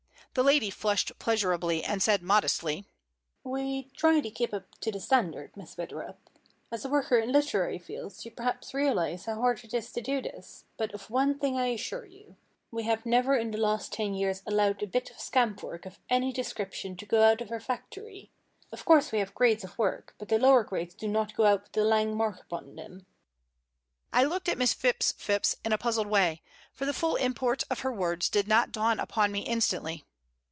The lady flushed pleasurably, and said, modestly: [Illustration: TRADE MARK. NONE GENUINE WITHOUT IT] "We try to keep up to the standard, Miss Witherup. As a worker in literary fields, you perhaps realize how hard it is to do this, but of one thing I assure you we have never in the last ten years allowed a bit of scamp work of any description to go out of our factory. Of course we have grades of work, but the lower grades do not go out with the Lang mark upon them." I looked at Miss Phipps Phipps in a puzzled way, for the full import of her words did not dawn upon me instantly.